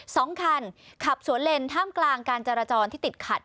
สองคันขับสวนเลนท่ามกลางการจราจรที่ติดขัด